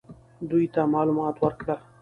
دوی ته معلومات ورکړه.